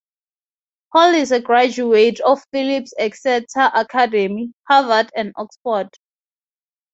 Hall is a graduate of Phillips Exeter Academy, Harvard, and Oxford.